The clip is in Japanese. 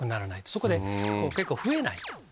そこで増えないと。